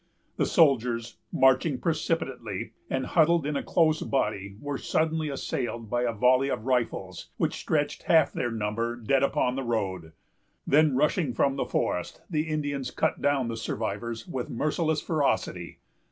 The soldiers, marching precipitately, and huddled in a close body, were suddenly assailed by a volley of rifles, which stretched half their number dead upon the road. Then, rushing from the forest, the Indians cut down the survivors with merciless ferocity.